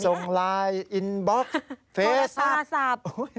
ส่งไลน์อินบ๊อคเฟซโทรศาสตร์